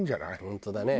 本当だね。